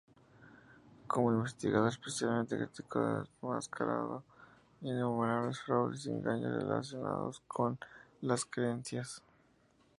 Como investigador especialmente crítico ha desenmascarado innumerables fraudes y engaños relacionados con las creencias.